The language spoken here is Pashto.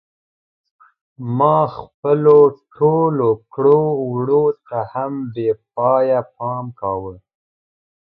ما خپلو ټولو کړو وړو ته هم بې پایه پام کاوه.